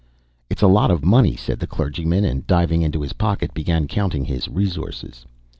"It's a lot of money," said the clergyman, and, diving into his pocket, began counting his resources.